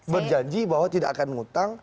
berjanji bahwa tidak akan ngutang